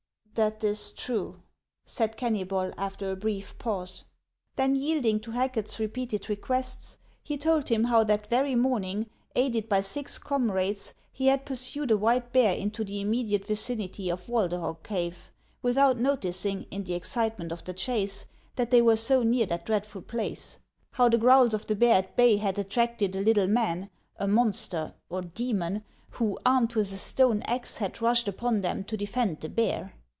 " That is true," said Kennybol, after a brief pause. Then, yielding to Hacket's repeated requests, he told him how that very morning, aided by six comrades, he had pursued a white bear into the immediate vicinity of Walderhog cave, without noticing, in the excitement of the chase, that they were so near that dreadful place ; how the growls of the bear at bay had attracted a little man, a monster, or demon, who, armed with a stone axe, had rushed upon them to defend the bear.